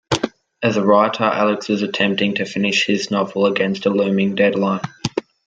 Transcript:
As a writer, Alex is attempting to finish his novel against a looming deadline.